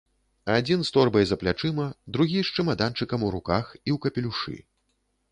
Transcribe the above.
Адзін з торбай за плячыма, другі з чамаданчыкам у руках і ў капелюшы.